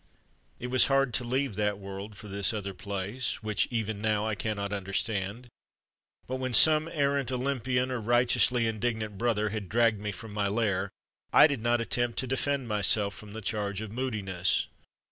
It was hard to leave that world for this other place, which even now I cannot under stand ; but when some errant Olympian or righteously indignant brother had dragged me from my lair, I did not attempt to defend myself from the charge of moodiness.